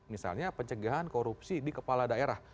misalnya pencegahan korupsi di kepala daerah